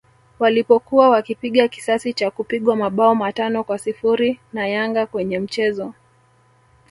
walipokuwa wakipiga kisasi cha kupigwa mabao matano kwa sifuri na Yanga kwenye mchezo